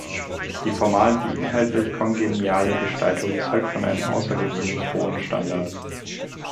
Die formal wie inhaltlich kongeniale Gestaltung zeugt von einem außergewöhnlich hohen Standard.